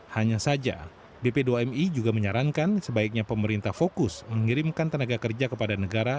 hanya saja bp dua mi juga menyarankan sebaiknya pemerintah fokus mengirimkan tenaga kerja kepada negara